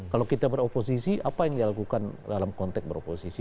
kalau kita beroposisi apa yang dilakukan dalam konteks beroposisi